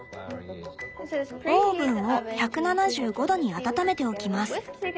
「オーブンを１７５℃に温めておきます。